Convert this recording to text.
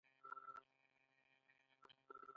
ډېر سخت جنګ شو او له سهاره تر ماښامه یې دوام وکړ.